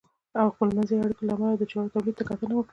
او د خپلمنځي اړیکو له امله یې د چارو تولید ته کتنه وکړه .